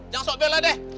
jangan sok bela deh